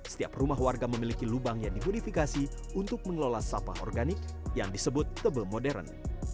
setiap rumah warga memiliki lubang yang dimodifikasi untuk mengelola sampah organik yang disebut tebel modern